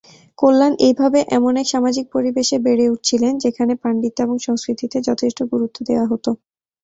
কল্যাণ এইভাবে এমন এক সামাজিক পরিবেশ বেড়ে উঠেছিলেন যেখানে পাণ্ডিত্য এবং সংস্কৃতিতে যথেষ্ট গুরুত্ব দেওয়া হত।